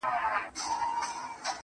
د هر يزيد زړه کي ايله لکه لړم ښه گراني_